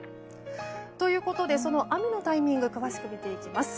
ということでその雨のタイミング詳しく見ていきます。